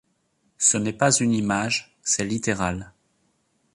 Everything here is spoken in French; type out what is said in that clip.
Ce n’est pas une image, c’est littéral.